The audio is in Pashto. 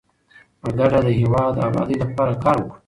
په ګډه د هیواد د ابادۍ لپاره کار وکړو.